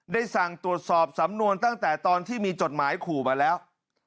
ได้สั่งตรวจสอบสำนวนตั้งแต่ตอนที่มีจดหมายขู่มาแล้ว